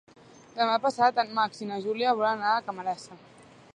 Demà passat en Max i na Júlia volen anar a Camarasa.